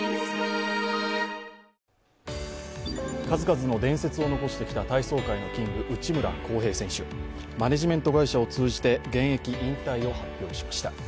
数々の伝説を残してきた体操界のキング内村航平選手、マネジメント会社を通じて現役引退を発表しました。